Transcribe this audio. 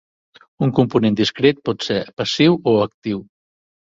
Un component discret pot ser passiu o actiu.